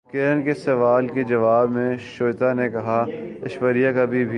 کرن کے سوال کے جواب میں شویتا نے کہا ایشوریا کبھی بھی